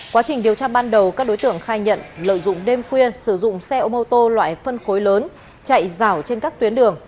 quá trình điều tra ban đầu các đối tượng khai nhận lợi dụng đêm khuya sử dụng xe ô tô loại phân khối lớn chạy rào trên các tuyến đường